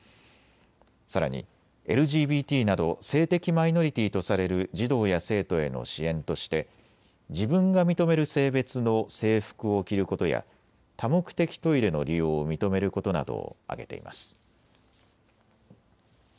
さらにＬＧＢＴなど性的マイノリティ−とされる児童や生徒への支援として自分が認める性別の制服を着ることや多目的トイレの利用を認めることなどを挙げています。